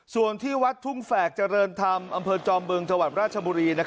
ส่วนที่วัดทุ่งแฝกเจริญธรรมอำเภอจอมบึงจังหวัดราชบุรี